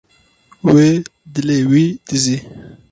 Wê dilê wî dizî.